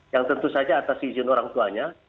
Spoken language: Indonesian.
yang tentu saja atas izin orang tuanya